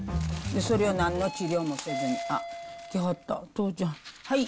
それをなんの治療もせずに、あっ、来はった、父ちゃん、はい。